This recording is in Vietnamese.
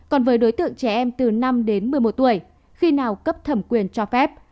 còn với đối tượng trẻ em từ năm đến một mươi một tuổi khi nào cấp thẩm quyền cho phép